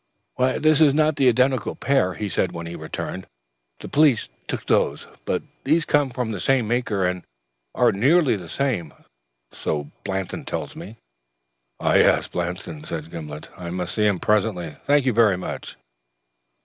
"This is not the identical pair," he said when he returned. "The police took those; but these come from the same maker and are nearly the same, so Blanston tells me." "Ah, yes, Blanston," said Gimblet. "I must see him presently. Thanks very much."